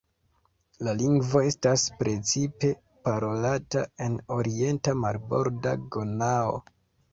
La lingvo estas precipe parolata en orienta marborda Ganao.